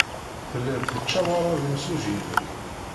Tellid tettcawaṛed imsujji-nnek.